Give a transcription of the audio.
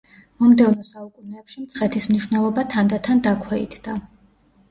მომდევნო საუკუნეებში მცხეთის მნიშვნელობა თანდათან დაქვეითდა.